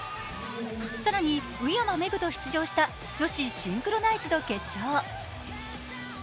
更に宇山芽紅と出場した女子シンクロナイズド決勝。